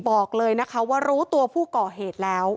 บอกเลยนะคะว่ารู้ตัวผู้ก่อเหตุแล้ว